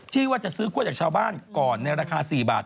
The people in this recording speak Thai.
จะซื้อกว้นขดกันจากชาวบ้านในราคา๔บาท